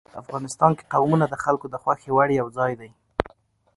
افغانستان کې قومونه د خلکو د خوښې وړ یو ځای دی.